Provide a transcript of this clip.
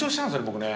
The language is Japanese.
僕ね。